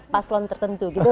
paslon tertentu gitu